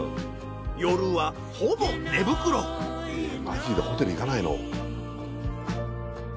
夜はほぼ寝袋マジでホテル行かないの？